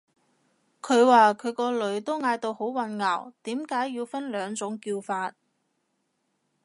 佢話佢個女都嗌到好混淆，點解要分兩種叫法